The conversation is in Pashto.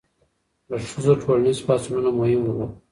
د ښځو ټولنیز پاڅونونه مهم وو.